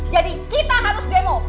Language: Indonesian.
jadi kita harus demo